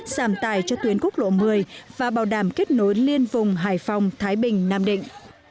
giảm tài cho tuyến quốc lộ một mươi và bảo đảm kết nối liên vùng hải phòng thái bình nam định